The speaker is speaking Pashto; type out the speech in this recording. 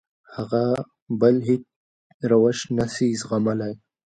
هغه بل هېڅ روش نه شي زغملی.